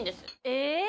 え！？